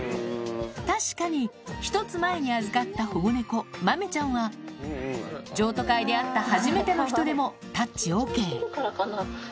確かに１つ前に預かった保護猫、マメちゃんは、譲渡会で会った初めての人でもタッチＯＫ。